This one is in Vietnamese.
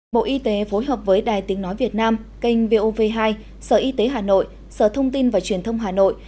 bộ y tế phối hợp với đài tiếng nói việt nam kênh vov hai sở y tế hà nội sở thông tin và truyền thông hà nội